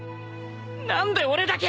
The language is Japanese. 何で俺だけ！